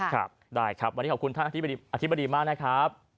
ครับได้ครับวันนี้ขอบคุณท่านอธิบดีอธิบดีมากนะครับ